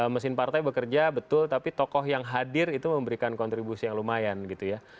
mesin partai bekerja betul tapi tokoh yang hadir itu memberikan kontribusi yang lumayan gitu ya